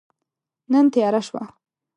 نن تیاره شوه